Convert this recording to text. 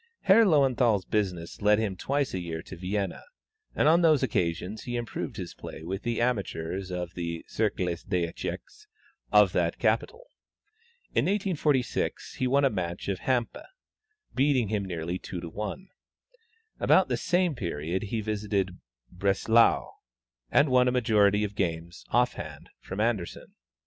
Herr Löwenthal's business led him twice a year to Vienna, and on those occasions he improved his play with the amateurs of the Cercle des Echecs of that capital. In 1846, he won a match of Hampe, beating him nearly 2 to 1. About the same period he visited Breslau, and won a majority of games (off hand) from Anderssen.